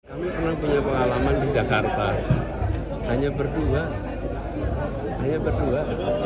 kami pernah punya pengalaman di jakarta hanya berdua hanya berdua